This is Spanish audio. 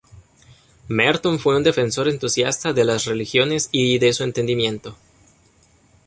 Merton fue un defensor entusiasta de las religiones y de su entendimiento.